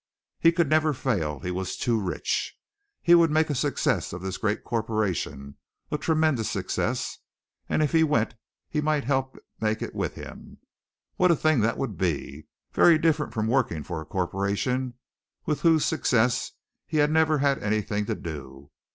He could never fail, he was too rich. He would make a success of this great corporation a tremendous success and if he went he might help make it with him. What a thing that would be! Very different from working for a corporation with whose success he had never had anything to do.